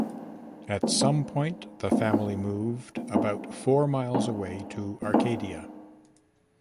At some point, the family moved about four miles away to Arcadia.